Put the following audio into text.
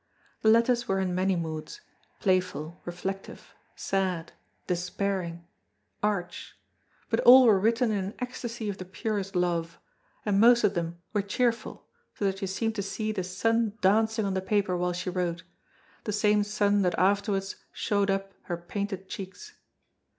The letters were in many moods, playful, reflective, sad, despairing, arch, but all were written in an ecstasy of the purest love, and most of them were cheerful, so that you seemed to see the sun dancing on the paper while she wrote, the same sun that afterwards showed up her painted cheeks.